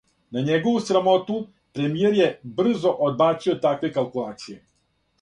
На његову срамоту, премијер је брзо одбацио такве калкулације.